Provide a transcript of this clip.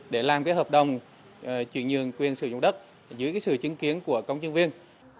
để làm hợp đồng chuyển nhượng quyền sử dụng đất dưới sự chứng kiến của công chứng viên